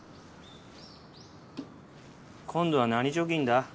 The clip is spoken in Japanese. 今度は何貯金だ？